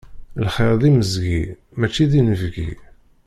Lxiṛ d imezgi, mačči d inebgi.